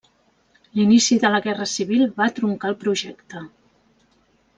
L'inici de la Guerra Civil va truncar el projecte.